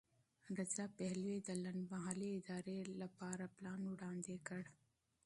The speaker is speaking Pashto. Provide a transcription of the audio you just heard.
رضا پهلوي د لنډمهالې ادارې لپاره پلان وړاندې کړ.